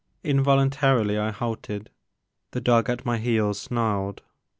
Involimtarily I halted ; the dog at my heels snarled.